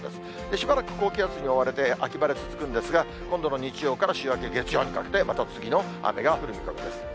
しばらく高気圧に覆われて、秋晴れ続くんですが、今度の日曜から週明け月曜日にかけて、また次の雨が降る見込みです。